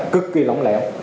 cực kỳ lỏng lẽo